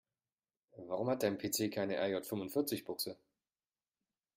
Warum hat dein PC keine RJ-fünfundvierzig-Buchse?